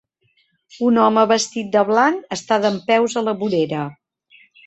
Un home vestit de blanc està dempeus a la vorera.